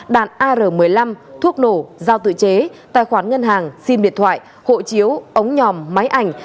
đạn ar một mươi năm thuốc nổ giao tự chế tài khoản ngân hàng sim điện thoại hộ chiếu ống nhòm máy ảnh